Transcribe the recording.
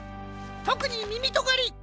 とくにみみとがり！